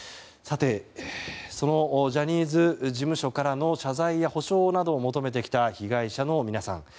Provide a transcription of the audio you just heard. そのジャニーズ事務所からの謝罪や補償などを求めてきた被害者の皆さん。